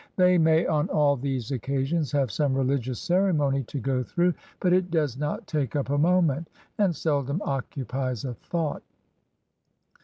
They may, on all these occasions, have some religious ceremony to go through, but it does not take up a moment, and seldom occupies a thought.